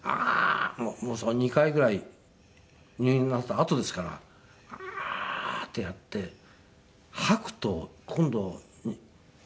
２回ぐらい入院なさったあとですから「ああー！」ってやって吐くと今度。